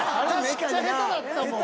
めっちゃ下手だったもん。